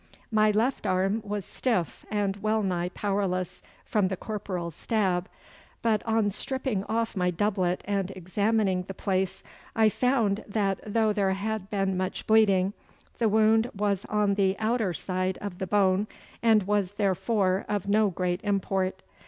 My left arm was stiff and well nigh powerless from the corporal's stab, but on stripping off my doublet and examining the place, I found that though there had been much bleeding the wound was on the outer side of the bone, and was therefore of no great import.